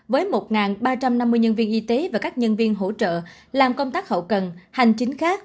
với một ba trăm năm mươi nhân viên y tế và các nhân viên hội